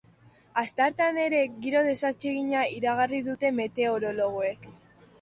Asteartean ere, giro desatsegina iragarri dute meteorologoek.